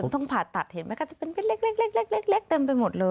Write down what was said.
ต้องผ่าตัดเห็นไหมคะจะเป็นเล็กเต็มไปหมดเลย